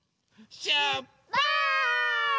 しゅっぱつ！